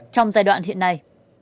trong giai đoạn hiện nay